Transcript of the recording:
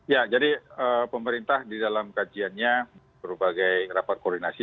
ya jadi pemerintah di dalam kajiannya berbagai rapat koordinasi